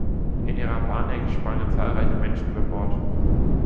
In ihrer Panik sprangen zahlreiche Menschen über Bord.